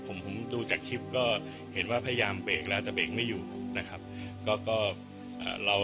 ผมผมดูจากคลิปก็เห็นว่าพยายามเบรกแล้วแต่เบรกไม่อยู่นะครับก็ก็อ่าเรา